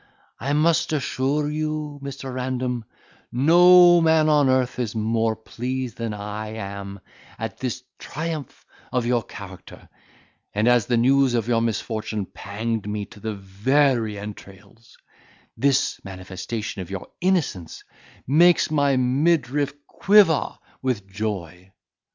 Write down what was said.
I must assure you, Mr. Random, no man on earth is more pleased than I am at this triumph of your character: and, as the news of your misfortune panged me to the very entrails, this manifestation of your innocence makes my midriff quiver with joy."